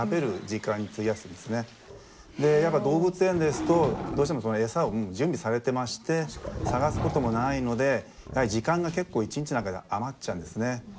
やっぱ動物園ですとどうしてもエサを準備されてまして探すこともないので時間が結構一日の中で余っちゃうんですね。